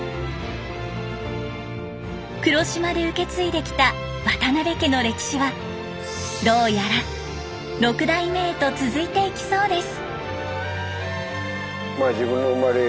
黒島で受け継いできた渡邊家の歴史はどうやら六代目へと続いていきそうです。